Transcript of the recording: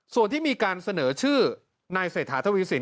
ส่วนที่มีการเสนอชื่อนายเศรษฐาทวีสิน